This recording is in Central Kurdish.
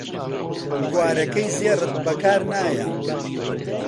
گوارەکەی زێڕت بەکار نایە